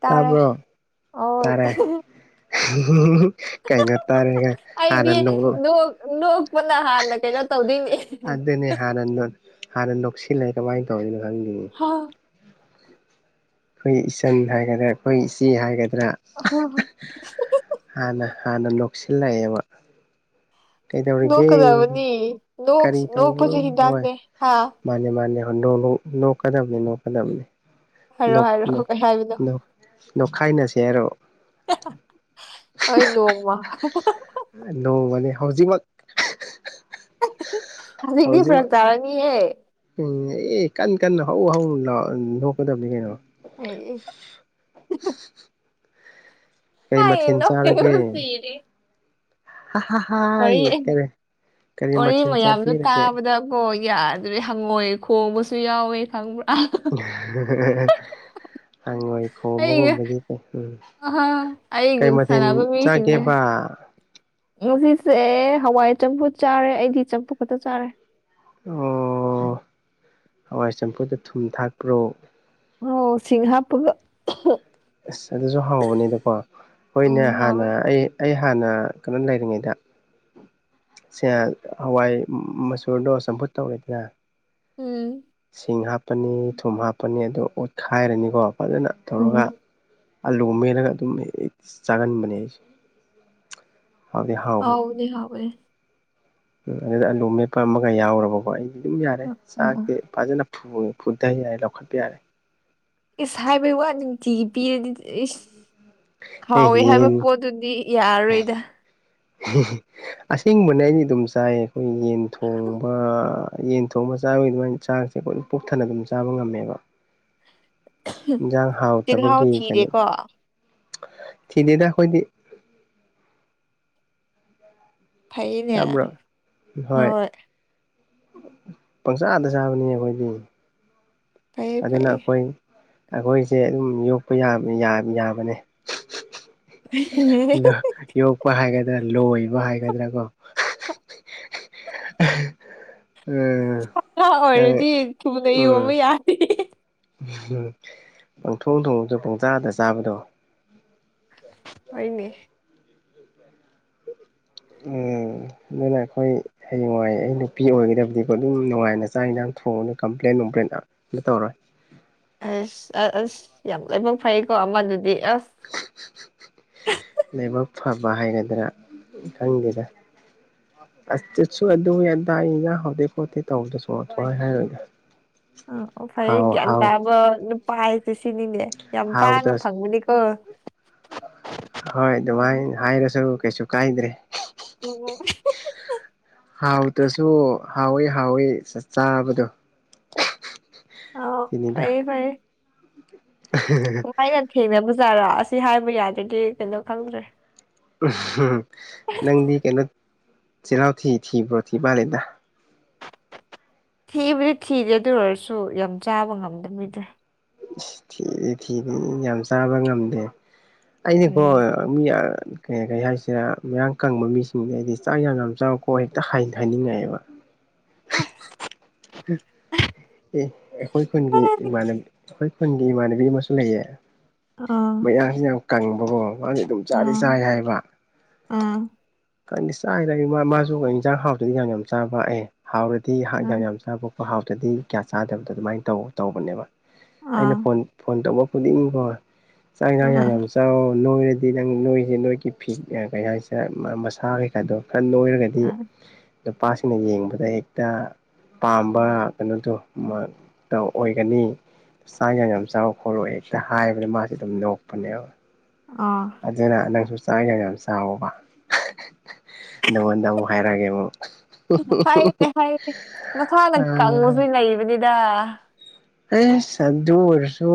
ꯇꯥꯔꯦ ꯇꯥꯕ꯭ꯔꯣ ꯍꯣꯏ ꯇꯥꯔꯦ ꯀꯥꯏꯅꯣ ꯇꯔꯦꯒ ꯍꯥꯟꯅ ꯑꯩꯗꯤ ꯅꯣꯛ ꯅꯣꯛꯄꯅ ꯍꯥꯟꯅ ꯀꯩꯅꯣ ꯇꯧꯗꯣꯏꯅꯦ ꯑꯗꯨꯅꯦ ꯍꯥꯏꯅ ꯍꯥꯟꯅ ꯅꯣꯛꯁꯤꯜꯂꯦ ꯀꯃꯥꯏꯅ ꯇꯧꯔꯤꯅꯣ ꯈꯪꯗꯦꯌꯦ ꯍꯥꯎ [inaudible] ꯑꯩꯈꯣꯏ ꯏꯆꯟ ꯍꯥꯏꯒꯗ꯭ꯔꯥ ꯑꯩꯈꯣꯏ ꯏꯆꯦ ꯍꯥꯏꯒꯗ꯭ꯔꯥ ꯍ ꯍ [inaudible] ꯍꯥꯟꯅ ꯍꯥꯟꯅ ꯅꯣꯛꯁꯤꯜꯂꯛꯑꯦꯕ ꯀꯩꯗꯧꯔꯤꯒꯦ ꯅꯣꯛꯀꯗꯕꯅꯤ ꯅꯣꯛ ꯀꯔꯤ ꯇꯧꯕ꯭ꯔꯣ ꯅꯣꯛꯄꯁꯨ ꯍꯣꯏ꯫ ꯍꯤꯗꯥꯛꯅꯦ ꯍꯥ ꯃꯥꯅꯦ ꯃꯥꯅꯦ ꯍꯣ ꯅꯣꯛ ꯅꯣꯛ ꯅꯣꯛꯀꯗꯕꯅꯤ ꯅꯣꯛꯀꯗꯕꯅꯤ ꯍꯥꯏꯔꯣ ꯅꯣꯛ ꯍꯥꯏꯔꯣ ꯅꯣꯛ ꯀꯩ ꯍꯥꯏꯕꯅꯣ ꯅꯣꯛ ꯅꯣꯛꯈꯥꯏꯅꯁꯦ ꯍꯥꯏꯔꯣ ꯍꯣꯏ ꯅꯣꯡꯃ ꯅꯣꯡꯃꯅꯤ ꯍꯧꯖꯤꯛꯃꯛ ꯍꯧꯖꯤꯛꯇꯤ ꯐꯔꯛ ꯍꯧꯖꯤꯛꯃꯛ ꯇꯥꯔꯅꯤꯌꯦ ꯎꯝ ꯑꯦ ꯀꯟꯅ ꯀꯟꯅ ꯍꯧ ꯍꯧ ꯅꯣꯛꯀꯗꯕꯅꯤ ꯀꯩꯅꯣ ꯍ [inaudible] ꯀꯩ ꯃꯊꯦꯜ ꯩꯅ ꯁꯤꯔꯤ [inaudible] ꯍ ꯍ ꯍ ꯇꯔꯦ [inaudible] ꯋꯥꯔꯤ ꯃꯌꯥꯝꯗꯣ ꯇꯥꯕꯗꯀꯣ ꯌꯥꯗ꯭ꯔꯦ ꯍꯪꯉꯣꯏ ꯈꯣꯡꯕꯁꯨ ꯌꯥꯎꯋꯦ ꯈꯪꯕ꯭ꯔꯥ꯫ ꯍꯪꯉꯣꯢ ꯑꯩꯒ ꯈꯣꯡꯕꯒꯨꯝꯕꯅꯤ ꯎꯝ ꯑꯍꯥ ꯑꯩꯒ ꯀꯩ ꯃꯊꯦꯜ ꯁꯥꯟꯅꯕ ꯃꯤꯁꯤꯡꯁꯦ ꯆꯥꯒꯦꯕ ꯉꯁꯤꯁꯦ ꯍꯋꯥꯏ ꯆꯝꯐꯨꯠ ꯆꯥꯔꯦ ꯑꯩꯗꯤ ꯆꯝꯐꯨꯠ ꯈꯛꯇ ꯆꯥꯔꯦ ꯑꯣ ꯍꯋꯥꯏ ꯆꯝꯐꯨꯠꯗ ꯊꯨꯝ ꯊꯥꯛꯄ꯭ꯔꯣ ꯑꯥꯎ ꯁꯤꯡ ꯍꯥꯞꯄꯒ ꯑꯁ ꯑꯗꯨꯁꯨ ꯍꯥꯎꯕꯅꯦꯗꯀꯣ ꯎꯝ ꯍꯣꯏꯅꯦ ꯍꯥꯟꯅ ꯍꯥꯎꯋꯦ ꯑꯩ ꯑꯩ ꯍꯥꯟꯅ ꯀꯩꯅꯣ ꯂꯩꯔꯤꯉꯩꯗ꯫ ꯁꯦ ꯍꯋꯥꯏ ꯃꯆꯨꯔꯗꯣ ꯆꯝꯐꯨꯠ ꯇꯧꯋꯦꯗꯅ ꯎꯝ ꯁꯤꯡ ꯍꯥꯞꯄꯅꯤ ꯊꯨꯝ ꯍꯥꯞꯄꯅꯤ ꯑꯗꯨ ꯑꯣꯠꯈꯥꯏꯔꯅꯤꯀꯣ ꯐꯖꯅ꯫ ꯇꯧꯔꯒ ꯎꯝ ꯑꯂꯨ ꯃꯦꯜꯂꯒ ꯑꯗꯨꯝ ꯆꯥꯒꯟꯕꯅꯦ ꯑꯩꯁꯦ꯫ ꯍꯥꯎꯕꯅꯦ ꯍꯥꯎꯕꯅꯦ ꯎꯝ ꯑꯗꯨꯗ ꯑꯂꯨ ꯃꯦꯠꯄ ꯑꯃꯒ ꯌꯥꯎꯔꯕꯀꯣ ꯑꯩꯗꯤ ꯑꯗꯨꯝ ꯌꯥꯔꯦ ꯎꯝ ꯎꯝ ꯆꯥꯛꯇꯤ ꯐꯖꯅ ꯊ ꯐꯨꯔꯗꯥ ꯌꯥꯔꯦ ꯂꯧꯈꯠꯄ ꯌꯥꯔꯦ [inaudible] ꯏꯁ ꯍꯥꯏꯕꯩ ꯋꯥꯅꯤ ꯅꯨꯡꯇꯤꯒꯤ ꯄꯤꯔꯗꯤ ꯏꯁ ꯑꯦ ꯍꯥꯎꯋꯦ ꯍꯥꯏꯕ ꯌꯦꯟ ꯄꯣꯠꯇꯨꯗꯤ ꯌꯥꯔꯔꯣꯏꯗ ꯑꯁꯦꯡꯕꯅꯦ ꯑꯩꯗꯤ ꯑꯗꯨꯝ ꯆꯥꯏ ꯑꯩꯈꯣꯏ ꯌꯦꯟ ꯊꯣꯡꯕ꯫ ꯌꯦꯟ ꯊꯣꯡꯕ ꯆꯥꯕꯒꯤ ꯑꯗꯨꯃꯥꯏꯅ ꯆꯥꯁꯦ ꯑꯩꯈꯣꯏ ꯄꯨꯛ ꯊꯟꯅ ꯑꯗꯨꯝ ꯆꯥꯕ ꯉꯝꯃꯦꯕ ꯏꯟꯖꯥꯡ ꯆꯤꯜꯍꯥꯎ ꯍꯥꯎꯇꯕꯒꯤ ꯀꯩꯅꯣ ꯊꯤꯔꯦꯀꯣ ꯊꯤꯗꯦꯗ ꯑꯩꯈꯣꯏꯗꯤ꯫ ꯐꯩꯅꯦ ꯇꯥꯕ꯭ꯔꯣ ꯍꯣꯏ ꯄꯪꯆꯥꯗ ꯆꯥꯕꯅꯤ ꯑꯩꯈꯣꯏꯗꯤ ꯐꯩꯌꯦ ꯑꯗꯨꯅ ꯐꯩꯌꯦ ꯑꯈꯣꯏ ꯑꯈꯣꯏꯁꯦ ꯑꯗꯨꯝ ꯌꯣꯛꯄ ꯌꯥ ꯌꯥꯕꯅꯦ ꯑꯗꯣ ꯌꯣꯛꯄ ꯍꯥꯏꯒꯗ꯭ꯔꯥ ꯂꯣꯏꯕ ꯍꯥꯏꯒꯗ꯭ꯔꯥ ꯀꯣ꯫ [unintelligible] ꯎꯝ ꯁꯥ ꯉꯥ ꯅꯪ ꯑꯣꯏꯔꯗꯤ ꯊꯨꯅ ꯌꯣꯟꯕ ꯌꯥꯔꯅꯤ ꯎꯝ ꯄꯪꯊꯣꯡ ꯊꯣꯡꯉꯖꯨ ꯄꯨꯡꯆꯥꯥꯗ ꯆꯥꯕꯗꯣ ꯍꯣꯏꯅꯦ ꯎꯝ ꯑꯗꯨꯅ ꯑꯩꯈꯣꯏ ꯍꯌꯦꯡꯋꯥꯏ ꯑꯩ ꯅꯨꯄꯤ ꯑꯣꯏꯒꯗꯕꯗꯤꯀꯣ ꯑꯗꯨꯝ ꯅꯨꯡꯉꯥꯏꯅ ꯆꯥꯛ ꯏꯟꯖꯥꯡ ꯊꯣꯡꯉꯅꯤ ꯀꯝꯄ꯭ꯂꯦꯟ ꯅꯨꯡꯄ꯭ꯂꯦꯟ ꯍꯤꯠꯇꯧꯔꯣꯏ ꯑꯁ ꯑ ꯑꯁ ꯌꯥꯝ ꯂꯣꯏꯅꯃꯛ ꯐꯩꯀꯣ ꯑꯃꯗꯨꯗꯤ ꯑꯁ ꯂꯥꯏꯕꯛ ꯐꯕ ꯍꯥꯏꯒꯗ꯭ꯔꯥ ꯈꯪꯗꯦꯗ ꯑꯁ ꯆꯠꯁꯨ ꯑꯗꯨꯒꯤ ꯑꯗꯥꯒꯨꯅꯤꯗ ꯍꯧꯗꯤꯛꯐꯧꯗꯤ ꯇꯧꯗ꯭ꯔꯁꯨ ꯁꯨꯍꯥꯏ ꯍꯥꯏꯔꯣꯏꯒꯦ ꯑ ꯑꯣ ꯐꯩꯌꯦ ꯒ꯭ꯌꯥꯟ ꯇꯥꯕ ꯅꯨꯄꯥ ꯍꯥꯏꯁꯦ ꯁꯤꯅꯤꯅꯦ ꯌꯥꯝ ꯇꯥꯡꯅ ꯍꯥꯎꯇ ꯐꯪꯕꯅꯤꯀꯣ ꯍꯣꯏ ꯑꯗꯨꯃꯥꯏ ꯍꯥꯏꯔꯁꯨ ꯀꯩꯁꯨ ꯀꯥꯏꯗ꯭ꯔꯦ ꯎꯝ ꯎꯝ ꯍꯥꯎꯇ꯭ꯔꯁꯨ ꯍꯥꯎꯋꯦ ꯍꯥꯎꯋꯦ ꯆ ꯆꯥꯕꯗꯣ꯫ ꯑꯣ ꯁꯤꯅꯤꯗ ꯐꯩꯌꯦ ꯐꯩꯌꯦ [unintelligible] ꯊꯦꯡꯅꯕꯖꯥꯔꯣ ꯑꯁꯤ ꯍꯥꯏꯕ ꯌꯥꯗ꯭ꯔꯗꯤ ꯀꯩꯅꯣ ꯈꯪꯗ꯭ꯔꯦ ꯅꯪꯗꯤ ꯀꯩꯅꯣ ꯆꯤꯜꯍꯥꯎ ꯊꯤ ꯊꯤꯕ꯭ꯔꯣ ꯊꯤ ꯃꯥꯜꯂꯦꯗ꯫ ꯊꯤꯕꯨꯗꯤ ꯊꯤꯗꯦ ꯑꯗꯨ ꯑꯣꯏꯔꯁꯨ ꯌꯥꯝ ꯆꯥꯕ ꯉꯝꯗꯕꯤꯗ ꯏꯁ ꯊꯤꯗꯤ ꯊꯤꯗꯤ ꯌꯥꯝ ꯆꯥꯕ ꯉꯝꯗꯦ ꯑꯩꯅꯀꯣ ꯎꯝ ꯃꯤꯑꯥ ꯀꯩ ꯀꯩ ꯍꯥꯏꯁꯤꯔꯥ ꯃꯌꯥꯥꯡ ꯀꯪꯕ ꯃꯤꯁꯤꯡꯖꯦ ꯑꯩꯗꯤ ꯆꯥꯛ ꯌꯥꯝ ꯌꯥꯝ ꯆꯥꯎꯀꯣ ꯍꯦꯛꯇ ꯍꯥꯏ ꯍꯥꯏꯅꯤꯡꯉꯛꯑꯦꯕ ꯑꯁ ꯍꯦ ꯑꯦ ꯑꯩꯈꯣꯏ ꯈꯨꯟꯒꯤ ꯏꯃꯥꯟꯅ ꯑꯩꯈꯣꯏ ꯈꯨꯟꯒꯤ ꯏꯃꯥꯟꯅꯕꯤ ꯑꯃꯁꯨ ꯂꯩꯌꯦ ꯑꯥ ꯃꯌꯥꯡꯁꯤ ꯌꯥꯝ ꯀꯪꯕꯀꯣ ꯃꯥꯖꯦ ꯑꯗꯨꯝ ꯆꯥꯗꯤ ꯑꯥ ꯆꯥꯏ ꯍꯥꯏꯌꯦꯕ ꯑꯥ ꯈꯟꯗꯤ ꯆꯥꯒꯤꯗꯩꯗꯤ ꯃꯥ ꯃꯥꯖꯨ ꯏꯟꯖꯥꯡ ꯍꯥꯎꯇ꯭ꯔꯗꯤ ꯌꯥꯝ ꯌꯥꯝ ꯆꯥꯕ ꯑꯦ ꯍꯥꯎꯔꯗꯤ ꯌꯥꯝ ꯌꯥꯝ ꯆꯥꯕ ꯑꯣ ꯍꯥꯎꯇ꯭ꯔꯗꯤ ꯀꯌꯥ ꯆꯥꯗꯕꯗꯣ ꯑꯗꯨꯃꯥꯏ ꯇꯧ ꯇꯧꯕꯅꯦꯕ ꯑꯥ ꯑꯩꯅ ꯐꯣꯟ ꯐꯣꯟ ꯇꯧꯕ ꯐꯨꯗꯤꯡꯀꯣ ꯆꯥꯛ ꯏꯟꯖꯥꯡ ꯌꯥꯝ ꯌꯥꯝꯅ ꯑꯥ ꯆꯥꯎ ꯅꯣꯏꯔꯗꯤ ꯅꯪ ꯅꯣꯏꯖꯦ ꯅꯣꯏꯒꯤ ꯐꯤꯠ ꯑ ꯀꯩ ꯍꯥꯏꯁꯤꯔ ꯃ ꯃꯁꯥ ꯀꯩꯀꯥꯗꯣ ꯈꯔ ꯅꯣꯏꯔꯒ ꯒꯗꯤ ꯅꯨꯄꯥꯁꯤꯡꯅ ꯌꯦꯡꯕꯗ ꯍꯦꯛꯇ ꯄꯥꯝꯕ ꯀꯩꯅꯣꯗꯣ ꯃꯠ ꯇꯧ ꯑꯣꯏꯒꯅꯤ ꯆꯥꯛ ꯌꯥꯝ ꯌꯥꯝ ꯆꯥꯎ ꯈꯣꯠꯂꯣ ꯍꯦꯛꯇ ꯍꯥꯏꯕꯗ ꯃꯥꯁꯦ ꯑꯗꯨꯝ ꯅꯣꯛꯄꯅꯦꯕ ꯑꯥ ꯑꯗꯨꯅ ꯅꯪꯁꯨ ꯆꯥꯛ ꯌꯥꯝ ꯌꯥꯝ ꯆꯥꯎꯋꯣꯕ ꯅꯪꯉꯣꯟꯗ ꯑꯃꯨꯛ ꯍꯥꯏꯔꯛꯑꯒꯦ ꯑꯃꯨꯛ ꯐꯥꯏꯔꯦ ꯐꯥꯏꯔꯦ ꯃꯊꯥꯗꯩ ꯀꯜꯂꯖꯨ ꯂꯩꯕꯅꯤꯗ ꯑꯦꯁ ꯑꯗꯨ ꯑꯣꯏꯔꯁꯨ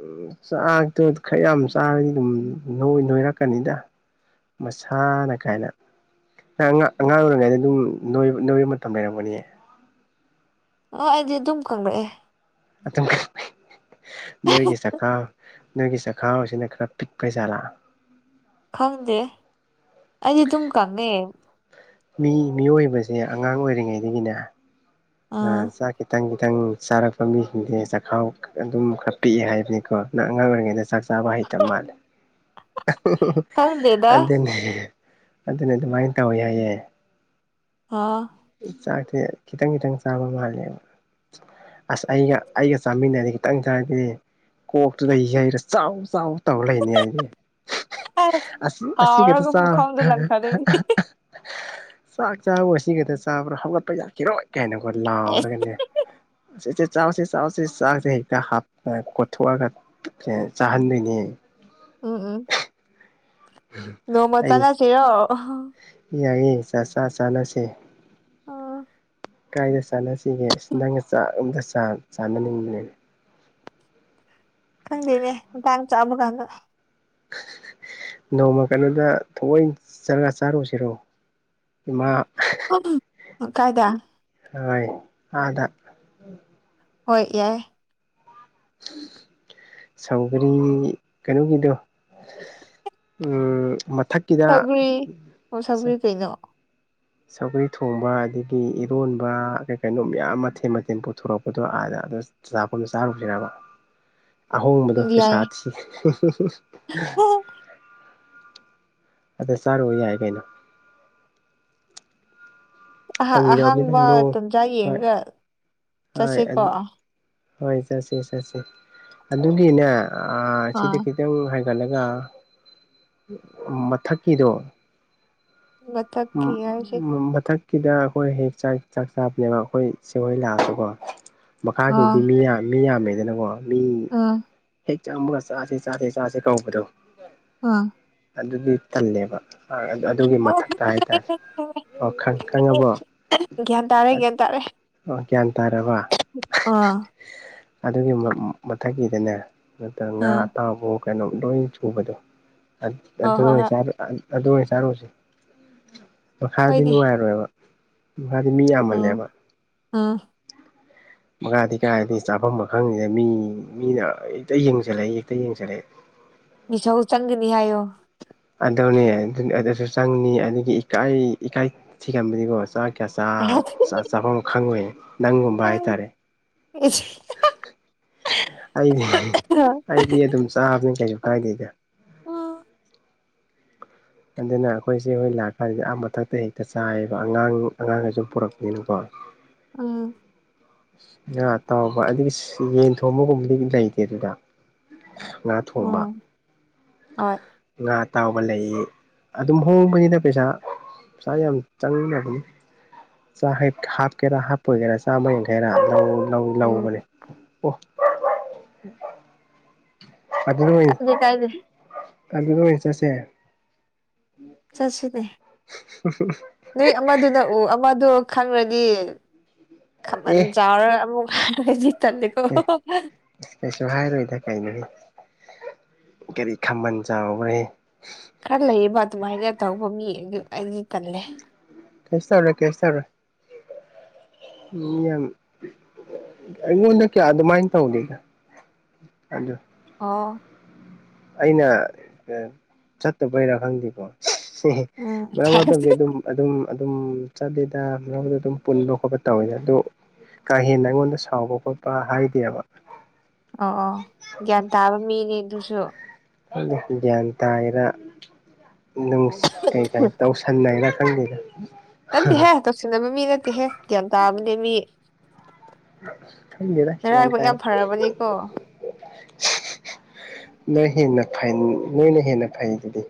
ꯎꯝ ꯆꯥꯛꯇꯣ ꯈꯔ ꯌꯥꯝ ꯆꯥꯔꯗꯤ ꯑꯗꯨꯝ ꯅꯣꯏ ꯅꯣꯏꯔꯛꯀꯅꯤꯗ ꯃꯁꯥꯅ ꯀꯥꯏꯅ ꯅꯪ ꯑꯉꯥꯛ ꯑꯉꯥꯡ ꯑꯣꯏꯔꯤꯉꯩꯗ ꯑꯗꯨꯝ ꯅꯣꯏ ꯅꯣꯏꯕ ꯃꯇꯝ ꯂꯩꯔꯝꯒꯅꯤꯌꯦ ꯑꯣ ꯑꯩꯗꯤ ꯑꯗꯨꯝ ꯀꯪꯪꯔꯛꯑꯦ ꯑꯗꯨꯝ ꯀꯪꯂꯩ ꯅꯣꯏꯒꯤ ꯆꯈꯥꯎ ꯅꯣꯏꯒꯤ ꯆꯥꯛꯈꯥꯎꯁꯤꯅ ꯈꯔ ꯄꯤꯛꯄꯩꯖꯥꯠꯂ ꯈꯪꯗꯦ ꯑꯩꯗꯤ ꯑꯗꯨꯝ ꯀꯪꯉꯦ ꯃꯤ ꯃꯤꯑꯣꯏꯕꯁꯦ ꯑꯉꯥꯡ ꯑꯣꯏꯔꯤꯉꯩꯗꯒꯤꯅꯦ ꯑꯥ ꯆꯥꯛ ꯈꯤꯇꯪ ꯈꯤꯇꯪ ꯆꯥꯔꯛꯄ ꯃꯤꯁꯤꯡꯖꯦ ꯆꯈꯥꯎ ꯑꯗꯨꯝ ꯈꯔ ꯄꯤꯛꯑꯦ ꯍꯥꯏꯕꯅꯤꯀꯣ ꯅꯪ ꯑꯉꯥꯡ ꯑꯣꯏꯔꯤꯉꯩꯗ ꯆꯥꯛ ꯆꯥꯕ ꯍꯩꯇꯝ ꯃꯥꯜꯂꯤ [inaudible] ꯈꯪꯗꯦꯗ ꯑꯗꯨꯅꯦ ꯑꯗꯨꯅꯦ ꯑꯗꯨꯃꯥꯏꯅ ꯇꯧꯋꯤ ꯍꯥꯏꯌꯦꯦ ꯑꯥ ꯆꯥꯛꯁꯦ ꯈꯤꯇꯪ ꯈꯤꯇꯪ ꯆꯥꯕ ꯃꯥꯂꯦꯕ ꯑꯁ ꯑꯩꯒ ꯑꯩꯒ ꯆꯥꯃꯤꯟꯅꯗꯤ ꯈꯤꯇꯪ ꯆꯔꯗꯦ ꯀꯣꯛꯇꯨꯗ ꯍꯩꯔ ꯆꯥꯎ ꯆꯥꯎ ꯇꯧ ꯂꯩꯅꯤ ꯑꯩꯗꯤ ꯑꯁ ꯑ ꯑꯁꯤ ꯀꯗ ꯀꯥꯎꯔꯒ ꯆ ꯄꯨꯈꯝꯗ ꯂꯪꯊꯗꯣꯏꯅꯤ ꯆꯥꯛ ꯆꯥꯕ ꯁꯤꯒꯗ ꯆꯥꯕ꯭ꯔꯣ ꯍꯧꯒꯠꯄ ꯌꯥꯈꯤꯔꯣꯏ ꯀꯥꯏꯅ ꯑꯩꯈꯣꯏ ꯂꯥꯎꯔꯒꯅꯦ ꯏ ꯏꯆꯦ ꯆꯥꯎꯁꯤꯦ ꯆꯥꯎꯁꯤꯦ ꯆꯥꯛꯁꯦ ꯍꯦꯛꯇ ꯍꯥꯞ ꯈꯣꯊꯣꯛꯑꯒ ꯑꯦ ꯆꯥꯍꯟꯗꯣꯏꯅꯦ ꯑꯣ ꯑꯣ ꯅꯣꯡꯃ ꯑꯩꯗꯤ ꯆꯂ ꯁꯤꯦꯔꯣ ꯌꯥꯏꯌꯦ ꯆꯥꯛ ꯆꯥ ꯆꯥꯅꯁꯦ ꯑꯥ ꯀꯥꯏꯗ ꯆꯥꯅꯁꯤꯒꯦ ꯑꯁꯤ ꯅꯪꯒ ꯆꯥꯛ ꯑꯝꯇ ꯆꯥꯅꯅꯤꯡꯕꯅꯦꯕ ꯈꯪꯗꯦꯅꯦ ꯃꯇꯥꯡ ꯆꯥꯕ ꯀꯥꯟꯗ ꯅꯣꯡꯃ ꯀꯩꯅꯗ ꯊꯑꯣꯏ ꯆꯔꯒ ꯆꯥꯔꯨꯁꯤꯔꯣ ꯏꯃꯥ ꯎ ꯀꯥꯏꯗ ꯍꯣꯏ ꯑꯥꯗ ꯍꯣꯏ ꯌꯥꯏ ꯁꯧꯒꯔꯤ ꯀꯩꯅꯣꯒꯤꯗꯣ ꯎꯝ ꯃꯊꯛꯀꯤꯗ ꯁꯧꯒ꯭ꯔꯤ ꯑꯣ ꯁꯧꯒ꯭ꯔꯤ ꯀꯩꯅꯣ ꯁꯧꯒꯔꯤ ꯊꯣꯡꯕ ꯑꯗꯒꯤ ꯏꯔꯣꯟꯕ ꯀꯩ ꯀꯩꯅꯣ ꯃꯌꯥꯝ ꯃꯊꯦꯜ ꯃꯊꯦꯜ ꯄꯨꯊꯣꯔꯛꯄꯗꯣ ꯑꯥꯗ ꯑꯗ ꯆꯆꯥꯥꯛꯄꯗ ꯆꯥꯔꯨꯁꯤꯅꯕ [inaudible] ꯑꯍꯣꯡꯕꯗꯣ ꯌꯥꯏ ꯄꯩꯁꯥ ꯊꯤ ꯑꯗ ꯆꯥꯔꯨꯕ ꯌꯥꯏ ꯀꯩꯅꯣ ꯑꯍꯥ ꯐꯪꯒꯤꯗꯅꯤ ꯑꯍꯥꯡꯕ ꯅꯗꯣ ꯇꯟꯖꯥ ꯍ ꯌꯦꯡꯉꯒ ꯍ ꯆꯠꯁꯤꯀꯣ ꯑꯗꯨ ꯍꯣꯏ ꯆꯠꯁꯤꯦ ꯆꯠꯁꯤꯦ ꯑꯗꯨꯒꯤꯅꯦ ꯁꯤꯗ ꯑꯥ ꯈꯤꯇꯪ ꯍꯥꯏꯒꯠꯂꯒ ꯃꯊꯛꯀꯤꯗꯣ ꯎ ꯎꯝ ꯎ ꯊꯥꯏ ꯀꯗ ꯑꯩꯈꯣꯏ ꯍꯦꯛ ꯆꯥꯛ ꯆꯥꯛ ꯆꯥꯕꯅꯦꯕ ꯑꯩꯈꯣꯏ ꯁꯦꯡꯒꯣꯏ ꯂꯥꯛꯑꯁꯨꯀꯣ ꯑꯥ ꯃꯈꯥꯒꯤꯗꯤ ꯃꯤꯌꯥ ꯃꯤ ꯌꯥꯝꯃꯦꯗꯅꯀꯣ ꯃꯤ ꯑꯥ ꯍꯦꯛ ꯆꯪꯃꯒ ꯆꯥꯁꯦ ꯆꯥꯁꯦ ꯆꯥꯁꯦ ꯀꯧꯕꯗꯣ ꯑꯣ ꯑꯗꯨꯗꯤ ꯇꯜꯂꯦꯕ ꯑꯗꯨꯒꯤ ꯑꯣ ꯃꯊꯛ ꯒ꯭ꯌꯥꯟ ꯇꯥꯔꯦ ꯒ꯭ꯌꯥꯟ ꯇꯥꯔꯦ ꯒ꯭ꯌꯥꯟ ꯇꯥꯔꯕ ꯑꯥ ꯑꯗꯨꯒꯤ ꯃꯊꯛꯀꯤꯗꯅꯦ ꯅꯠꯇ꯭ꯔꯒ ꯉꯥ ꯑꯥ ꯑꯇꯥꯎꯕ ꯀꯩꯅꯣꯝ ꯂꯣꯏ ꯁꯨꯕꯗꯣ ꯑꯣ ꯑꯗꯨꯅꯥ ꯍꯣꯏ ꯍꯣꯏ ꯑꯗꯨ ꯑꯣꯏꯅ ꯆꯥꯔꯨꯁꯦ ꯃꯈꯥꯗꯤ ꯍꯣꯏꯅꯦ ꯅꯨꯡꯉꯥꯏꯔꯣꯏꯕ ꯗꯤ ꯃꯤ ꯌꯥꯝꯃꯜꯂꯦꯕ ꯑꯥ ꯃꯈꯥꯗꯤ ꯀꯥꯏꯔꯗꯤ ꯆꯥꯐꯝ ꯃꯈ ꯈꯪꯅꯤꯅ ꯃꯤ ꯃꯤꯅ ꯍꯦꯛꯇ ꯌꯦꯡꯁꯤꯜꯂꯛꯑꯦ ꯍꯦꯛꯇ ꯌꯦꯡꯁꯤꯜꯂꯛꯑꯦ ꯃꯤꯁ ꯆꯪꯒꯅꯤ ꯍꯥꯏꯌꯣ ꯑꯗꯨꯗꯧꯅꯦ ꯑꯗꯨꯁꯨ ꯆꯪꯅꯤ ꯑꯗꯨꯒꯤ ꯏꯀꯥꯏ ꯏꯀꯥꯏ ꯊꯤꯒꯕꯅꯤꯀꯣ ꯆꯥꯛ ꯀꯌꯥ ꯆꯥꯐꯝ ꯈꯪꯉꯨ ꯅꯪꯒꯨꯝꯕ ꯍꯥꯏꯇꯥꯔꯦ ꯑ ꯑꯩꯗꯤ ꯑꯩꯗꯤ ꯑꯗꯨꯝ ꯆꯥꯕꯅꯤ ꯀꯩꯁꯨ ꯀꯥꯏꯗꯦꯗ ꯎ ꯑꯗꯨꯅ ꯑꯩꯈꯣꯏꯁꯦ ꯍꯣꯏ ꯂꯥꯛꯀꯥꯟꯁꯤꯗꯤ ꯑꯥ ꯃꯊꯛꯇ ꯍꯦꯛꯇ ꯆꯥꯏꯌꯦꯕ ꯑꯉꯥꯡ ꯑꯉꯥꯡꯒ ꯁꯨꯝ ꯄꯨꯔꯛꯄꯅꯤꯅꯀꯣ ꯑ ꯑꯥ ꯇꯥꯎꯕ ꯑꯗꯨꯒꯤ ꯌꯦꯟ ꯊꯣꯡꯕꯒꯨꯝꯕꯗꯤ ꯂꯩꯇꯦ ꯑꯗꯨꯗ ꯉꯥ ꯊꯣꯡꯕ ꯎꯝ ꯍꯣꯏ ꯉꯥ ꯑ ꯇꯥꯎꯕ ꯂꯩꯌꯦ ꯑꯗꯨꯝ ꯍꯣꯡꯕꯅꯤꯅ ꯄꯩꯁꯥ ꯄꯩꯁꯥ ꯌꯥꯝ ꯆꯪꯅꯕꯅꯤ ꯍꯥꯞꯀꯦꯔꯥ ꯍꯥꯞꯄꯒꯦꯔꯥ ꯆꯥꯝꯃ ꯌꯥꯡꯒꯦꯔꯥ ꯂꯧ ꯎꯝ ꯂꯧꯕꯅꯦ ꯑꯣ ꯑꯕꯜ ꯀꯥꯏꯗꯦ ꯀꯥꯏꯗꯦ ꯔ ꯑꯕꯜ ꯔ ꯆꯁꯦ ꯆꯠ ꯁ꯭ꯔꯤꯗ [inaudible] ꯅꯣꯏ ꯑꯃꯗꯨ ꯅꯎ ꯑꯃꯗꯣ ꯈꯪꯈ꯭ꯔꯅꯤ ꯈꯕꯜ ꯑꯦ ꯆꯥꯎꯥꯎꯔ ꯑꯃꯨꯖꯤ ꯊꯗꯀꯣ ꯀꯩꯁꯨ ꯍꯥꯏꯔꯣꯏꯗ ꯀꯩꯅꯣ ꯀꯔꯤ ꯈꯥꯝꯕꯟ ꯆꯥꯎꯈ꯭ꯔꯦ ꯈꯔ ꯂꯩꯔꯤꯕ ꯑꯗꯨꯃꯥꯏꯅ ꯇꯧꯕ ꯃꯤ ꯑꯩꯗꯤ ꯀꯜꯂꯦ ꯀꯦꯁ ꯇꯧꯔꯦ ꯀꯦꯁ ꯇꯧꯔꯦ ꯌꯥꯝꯝ ꯑꯩꯉꯣꯟꯗ ꯀ ꯑꯗ ꯃꯥꯏ ꯇ ꯍꯧꯗꯤꯒ ꯑꯗꯨꯗ ꯑ ꯑꯩꯅ ꯆꯠꯇꯕꯩꯔꯥ ꯈꯪꯗꯦꯀꯣ ꯎꯝ ꯃꯔꯛꯝ ꯃꯔꯗꯤ ꯑꯗꯨꯝ ꯑꯗꯨꯝ ꯑꯗꯨꯝ ꯆꯠꯂꯤꯗ ꯃꯧꯗ ꯑꯗꯨꯝ ꯄꯨꯟꯕ ꯈꯣꯠꯄ ꯇꯧꯋꯦ ꯑꯗꯨ ꯀꯥ ꯍꯦꯟꯅ ꯑꯩꯉꯣꯟꯗ ꯁꯥꯎꯕ ꯈꯣꯠꯄ ꯍꯥꯏꯗꯦꯕ ꯑꯣ ꯑꯣ ꯒ꯭ꯌꯥꯟ ꯇꯥꯕ ꯃꯤꯅꯤ ꯑꯗꯨꯁꯨ ꯈꯪꯗꯦ ꯒ꯭ꯌꯥꯟ ꯇꯥꯔꯤꯔꯥ ꯅꯨꯡ ꯀꯩ ꯀꯩ ꯇꯧꯁꯟ ꯅꯩꯔꯥ ꯈꯪꯗꯦꯗ ꯅꯠꯇꯦꯍꯦ ꯇꯧꯁꯤꯟꯅꯕ ꯃꯤ ꯅꯠꯇꯦꯍꯦ ꯒ꯭ꯌꯥꯟ ꯇꯥꯕꯅꯦ ꯃꯤ ꯈꯪꯗꯦꯗ ꯒ꯭ꯌꯥꯟ ꯅꯥꯔꯥꯏꯕꯣꯛ ꯌꯥꯝ ꯇꯥꯏ ꯐꯔꯕꯅꯦꯀꯣ ꯅꯣꯏ ꯍꯦꯟꯅ ꯐꯩ ꯅꯣꯏꯅ ꯍꯦꯟꯅ ꯐꯩ ꯗꯨꯗꯤ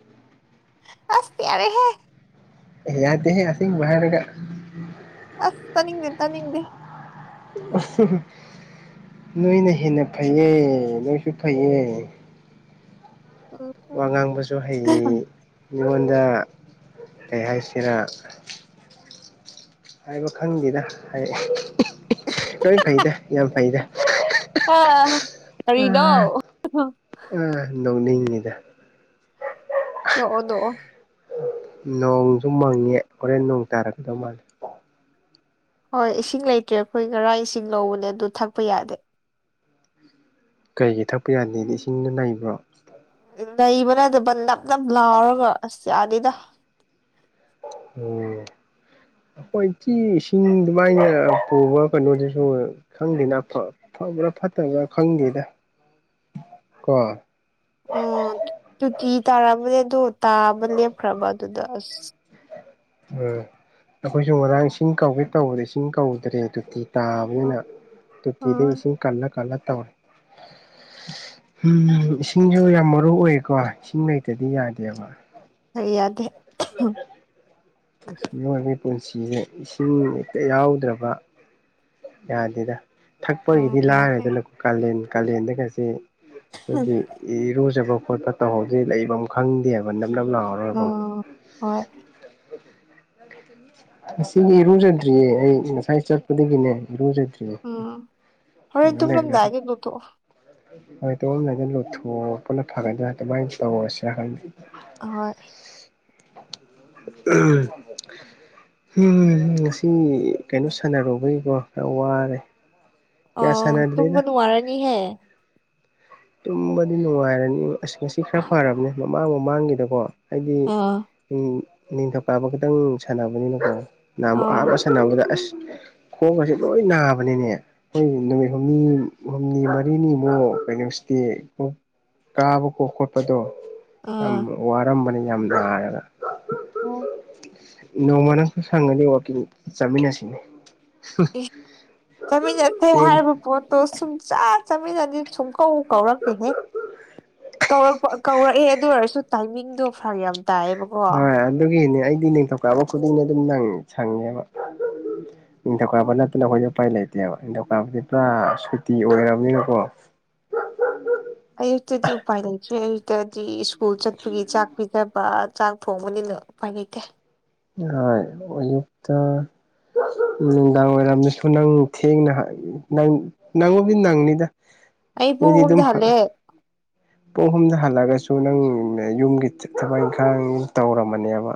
ꯑꯁ ꯌꯥꯔꯦꯍꯦ ꯑꯦ ꯌꯗꯦꯍꯦ ꯑꯁꯦꯡꯕ ꯍꯥꯢꯔꯒꯥ ꯑꯁ ꯇꯅꯤꯡꯗꯦ ꯇꯅꯤꯡꯗꯦ ꯅꯣꯏꯅ ꯍꯦꯟꯅ ꯐꯩꯌꯦ ꯅꯣꯏꯁꯨ ꯐꯩꯌꯦ ꯎꯝ ꯎꯝ ꯋꯥ ꯉꯥꯡꯕꯁꯨ ꯍꯩꯌꯦ ꯃꯤꯉꯣꯟꯗ ꯀꯩ ꯍꯥꯏꯁꯤꯔꯥ ꯍꯥꯏꯕ ꯈꯪꯗꯦꯗ ꯍꯥꯏ ꯂꯣꯏ ꯐꯩꯗ ꯌꯥꯝ ꯐꯩꯗ ꯑ ꯀꯔꯤꯅꯣ ꯑ ꯅꯣꯛꯅꯤꯡꯉꯤꯗ ꯇꯣꯛꯑꯣ ꯇꯣꯛꯑꯣ ꯅꯣꯡꯁꯨ ꯃꯪꯉꯦ ꯍꯣꯔꯦꯟ ꯅꯣꯡ ꯇꯥꯔꯛꯇꯧ ꯃꯥꯜꯂꯦ ꯍꯣꯏ ꯏꯁꯤꯡ ꯂꯩꯇ꯭ꯔꯦ ꯑꯩꯈꯣꯏ ꯉꯔꯥꯡ ꯏꯁꯤꯡ ꯂꯧꯕꯅꯦ ꯑꯗꯨ ꯊꯛꯄ ꯌꯥꯗꯦ ꯀꯩꯒꯤ ꯊꯛꯄ ꯌꯥꯗꯦꯗꯤ ꯏꯁꯤꯡꯗꯣ ꯅꯩꯕ꯭ꯔꯣ ꯂꯩꯕ ꯅꯠꯇꯕ ꯅꯞ ꯅꯞ ꯂꯥꯎꯔꯒ ꯑꯁ ꯌꯥꯗꯦꯗ ꯑꯣ ꯑꯩꯈꯣꯏꯀꯤ ꯏꯁꯤꯡ ꯑꯗꯨꯃꯥꯏꯅ ꯄꯨꯕ ꯀꯩꯅꯣꯗꯨꯁꯨ ꯈꯪꯗꯦꯅ ꯑꯥꯐ ꯐꯕ꯭ꯔꯥ ꯐꯠꯇꯕ꯭ꯔꯥ ꯈꯪꯗꯦꯗ ꯀꯣ ꯑꯣ ꯇꯣꯇꯤ ꯇꯥꯔꯝꯕꯅꯦ ꯑꯗꯨ ꯇꯥꯕ ꯂꯦꯞꯈ꯭ꯔꯕ ꯑꯗꯨꯗ ꯑꯁ ꯎꯝ ꯑꯩꯈꯣꯏꯁꯨ ꯉꯔꯥꯡ ꯏꯁꯤꯡ ꯀꯧꯒꯦ ꯇꯧꯕꯗ ꯏꯁꯤꯡ ꯀꯧꯗ꯭ꯔꯦ ꯑꯗꯨꯗꯤ ꯇꯥꯕꯅꯤꯅ ꯇꯣꯇꯤꯗꯒꯤ ꯑ ꯏꯁꯤꯡ ꯀꯜꯂ ꯀꯜꯂ ꯇꯧꯔꯦ [inaudible] ꯎꯝ ꯏꯁꯤꯡꯁꯨ ꯌꯥꯝ ꯃꯔꯨ ꯑꯣꯌꯦꯀꯣ ꯏꯁꯤꯡ ꯂꯩꯇꯔꯥꯗꯤ ꯌꯥꯗꯦꯕ ꯀ ꯌꯥꯗꯦ ꯃꯤꯑꯣꯏꯕꯒꯤ ꯄꯨꯟꯁꯤꯁꯦ ꯏꯁꯤꯡ ꯍꯦꯛꯇ ꯌꯥꯎꯗꯕ ꯌꯥꯗꯦꯗ ꯎꯝ ꯊꯛꯄꯒꯤꯗꯤ ꯌꯥꯗꯦ ꯂꯥꯏꯔꯦꯗꯅ ꯀꯥꯂꯦꯟ ꯀꯥꯂꯦꯟꯗꯒꯁꯦ ꯑꯩꯈꯣꯏꯒꯤ ꯏꯔꯨꯖꯕ ꯈꯣꯠꯄ ꯇꯧꯍꯧꯗꯔ꯭ꯗꯤ ꯂꯩꯐꯝ ꯈꯪꯗꯦꯕ ꯅꯞ ꯅꯞ ꯂꯥꯎꯔꯒꯀꯣ ꯑꯣ ꯍꯣꯏ ꯉꯥꯁꯤꯒꯤ ꯏꯔꯨꯖꯗ꯭ꯔꯤꯌꯦ ꯑꯩ ꯉꯁꯥꯏ ꯆꯠꯄꯗꯒꯤꯅꯦ ꯏꯔꯨꯖꯗ꯭ꯔꯤꯌꯦ ꯎꯝ ꯍꯣꯔꯦꯟ ꯇꯨꯝꯂꯝꯗꯥꯏꯗ ꯂꯧꯊꯣꯛꯑꯣ [unintelligible] ꯍꯣꯏ ꯇꯨꯝꯃꯝꯗꯥꯏꯗ ꯂꯨꯊꯣꯛ ꯄꯅ ꯐꯒꯗ꯭ꯔꯥ ꯑꯗꯨꯃꯥꯏꯅ ꯇꯧꯔꯁꯤꯔꯥ ꯈꯪꯗꯦ ꯑꯥꯍꯣꯏ ꯎꯝ ꯎ ꯉꯁꯤ ꯀꯩꯅꯣ ꯁꯥꯟꯅꯔꯨꯕꯒꯤꯀꯣ ꯈꯔ ꯋꯥꯔꯦ ꯑ ꯀꯌꯥ ꯁꯥꯟꯅꯗ꯭ꯔꯦꯗ ꯇꯨꯡꯕ ꯅꯨꯡꯉꯥꯏꯔꯅꯤꯍꯦ ꯇꯨꯝꯕꯗꯤ ꯅꯨꯡꯉꯥꯏꯔꯅꯤ ꯑꯁ ꯉꯁꯤ ꯈꯔ ꯐꯔꯕꯅꯦ ꯃꯃꯥꯡ ꯃꯃꯥꯡꯒꯤꯗꯀꯣ ꯍꯥꯏꯗꯤ ꯑꯥ ꯅꯤꯡ ꯅꯤꯡꯊꯧꯀꯥꯕ ꯈꯤꯇꯪ ꯁꯥꯟꯅꯕꯅꯤꯅꯀꯣ ꯅꯍꯟꯃꯨꯛ ꯑꯥ ꯑꯍꯟꯕ ꯁꯥꯟꯅꯕꯗ ꯑꯁ ꯈꯣꯡꯒꯁꯦ ꯂꯣꯏ ꯅꯥꯕꯅꯤꯅꯦ ꯍꯣꯏ ꯅꯨꯃꯤꯠ ꯍꯨꯝꯅꯤ ꯍꯨꯝꯅꯤ ꯃꯔꯤꯅꯤꯃꯨꯛ ꯀꯩꯅꯣ ꯀꯤ ꯀꯣ ꯀꯥꯕ ꯀꯣ ꯈꯣꯠꯄꯗꯣ ꯌꯥꯝ ꯑꯥ ꯋꯥꯔꯝꯕꯅꯤ ꯌꯥꯝ ꯅꯔꯒ ꯑꯣ ꯅꯣꯡꯃ ꯅꯪꯁꯨ ꯁꯪꯒꯗꯤ ꯋꯥꯛꯀꯤꯡ ꯆꯠꯃꯤꯟꯅꯁꯤꯅꯦ ꯑꯦ ꯆꯠꯃꯤꯟꯅꯁꯦ ꯆꯦꯜ ꯍꯥꯏꯔꯤꯕ ꯄꯣꯠꯇꯣ ꯁꯨꯡꯆꯠ ꯆꯠꯃꯤꯟꯅꯗꯦ ꯁꯨꯡꯀꯧ ꯀꯧꯔꯛꯇꯦꯍꯦ ꯀꯧꯔꯛ ꯀꯧꯔꯛꯑꯦ ꯑꯗꯨ ꯑꯣꯏꯔꯁꯨ ꯇꯥꯏꯃꯤꯡꯗꯣ ꯐꯔꯛ ꯌꯥꯝ ꯇꯥꯏꯌꯦꯕꯀꯣ ꯍꯣꯏ ꯑꯗꯨꯒꯤꯅꯦ ꯑꯩꯗꯤ ꯅꯤꯡꯊꯧꯀꯥꯕ ꯈꯨꯗꯤꯡꯒꯤ ꯑꯗꯨꯝ ꯁꯪ ꯁꯪꯉꯦꯕ ꯅꯤꯡꯊꯧꯀꯥꯕ ꯅꯠꯇꯅ ꯑꯩꯈꯣꯏ ꯎꯄꯥꯏ ꯂꯩꯇꯦꯕ ꯅꯤꯡꯊꯧꯀꯥꯕꯗꯤ ꯄꯨꯔꯥ ꯁꯨꯇꯤ ꯑꯣꯏꯔꯕꯅꯤꯅꯀꯣ ꯑꯌꯨꯛꯇꯗꯤ ꯎꯄꯥꯏ ꯂꯩꯇ꯭ꯦ ꯑꯌꯨꯛꯇꯗꯤ ꯁ꯭ꯀꯨꯜ ꯆꯠꯄꯒꯤ ꯆꯥꯛ ꯄꯤꯖꯕ ꯆꯥꯛ ꯊꯣꯡꯕꯅꯤꯅ ꯄꯥꯒꯤꯩꯇꯦ ꯎꯌꯨꯛꯇꯛꯇ ꯎ ꯅꯨꯡꯗꯥꯡ ꯋꯥꯏꯔꯝꯗꯁꯨ ꯅꯪ ꯊꯦꯡꯅ ꯅꯪ ꯅꯉꯣꯕꯤ ꯅꯪꯅꯤꯗ ꯑꯩ ꯄꯨꯡ ꯑꯗꯨꯗꯤ ꯑꯍꯨꯝꯗ ꯑꯗꯨꯝ ꯍꯜꯂꯦ ꯄꯨꯡ ꯑꯍꯨꯝꯗ ꯍꯜꯂꯒꯁꯨ ꯅꯪ ꯌꯨꯝꯒꯤ ꯊꯕꯛ ꯏꯪꯈꯥꯡ ꯇꯧꯔꯝꯕꯅꯦꯕ